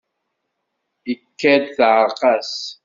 Ikad-d teεreq-as.